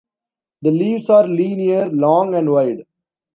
The leaves are linear, long and wide.